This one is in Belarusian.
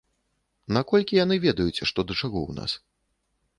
Наколькі яны ведаюць, што да чаго ў нас?